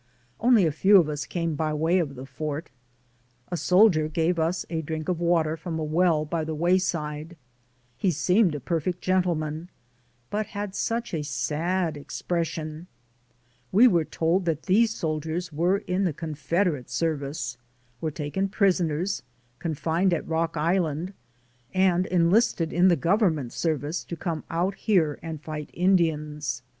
Only a few of us came by 84 DAYS ON THE ROAD. the way of the fort. A soldier gave us a drink of water from a well by the wayside. He seemed a perfect gentleman, but had such a sad expression. We were told that these soldiers were in the Confederate service, were taken prisoners, confined at Rock Island, and enlisted in the Government serv ice to come out here and fight Indians.